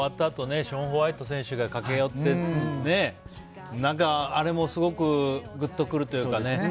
あとショーン・ホワイト選手が駆け寄ってあれもすごくぐっとくるというかね。